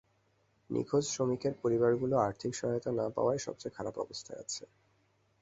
নিখোঁজ শ্রমিকের পরিবারগুলো আর্থিক সহায়তা না পাওয়ায় সবচেয়ে খারাপ অবস্থায় আছে।